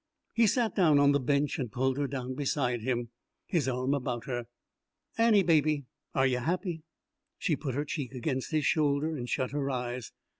He sat down on the bench and pulled her down beside him, his arm about her. "Annie, baby, are y' happy?" She put her cheek against his shoulder and shut her eyes.